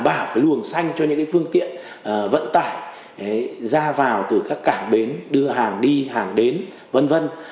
đảm bảo cái luồng xanh cho những cái phương tiện vận tải ra vào từ các cảng bến đưa hàng đi hàng đến vân vân